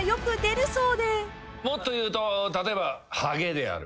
もっと言うと例えばハゲである。